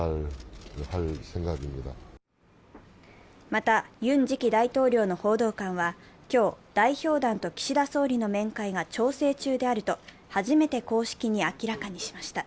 またユン次期大統領の報道官は今日、代表団と岸田総理の面会が調整中であると初めて公式に明らかにしました。